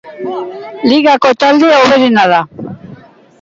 Ligako talde hoberena da.